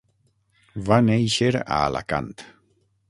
Va néixer a Alacant.